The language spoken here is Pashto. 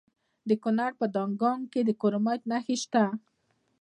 د کونړ په دانګام کې د کرومایټ نښې شته.